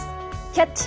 「キャッチ！